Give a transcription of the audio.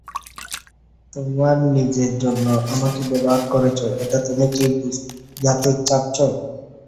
তোমার নিজের জন্য আমাকে ব্যবহার করেছ এটা তুমি কি বোঝাতে চাচ্ছো?